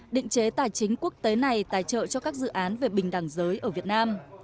định chế tài chính quốc tế này tài trợ cho các dự án về bình đẳng giới ở việt nam